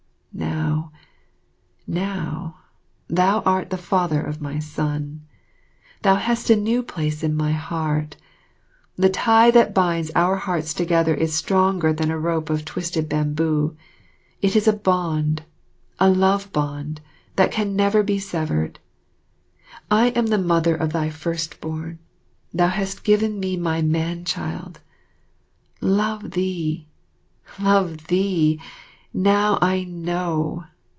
Now now thou art the father of my son. Thou hast a new place in my heart. The tie that binds our hearts together is stronger than a rope of twisted bamboo, it is a bond, a love bond, that never can be severed. I am the mother of thy first born thou hast given me my man child. Love thee love thee ! Now I know!